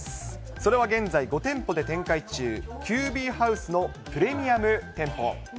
それは現在５店舗で展開中、ＱＢＨＯＵＳＥのプレミアム店舗。